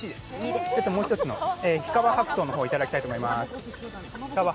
もう一つの日川白鳳の方いただきたいと思います。